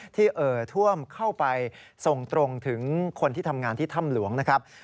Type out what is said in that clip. เอ่อท่วมเข้าไปส่งตรงถึงคนที่ทำงานที่ถ้ำหลวงนะครับ